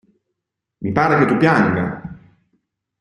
Mi pare che tu pianga!